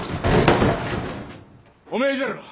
おめぇじゃろ！